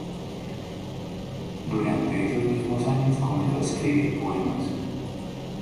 Durante esos mismos años comenzó a escribir poemas.